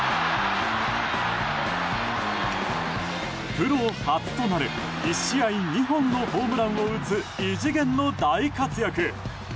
プロ初となる１試合２本のホームランを打つ異次元の大活躍！